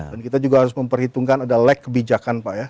dan kita juga harus memperhitungkan ada lag kebijakan pak ya